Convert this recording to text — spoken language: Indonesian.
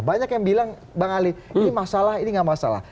banyak yang bilang bang ali ini masalah ini gak masalah